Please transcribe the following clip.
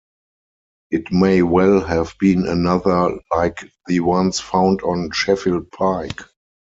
It may well have been another like the ones found on Sheffield Pike.